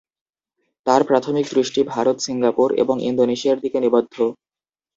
তাঁর প্রাথমিক দৃষ্টি ভারত, সিঙ্গাপুর এবং ইন্দোনেশিয়ার দিকে নিবদ্ধ।